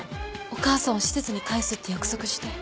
お母さんを施設に帰すって約束して。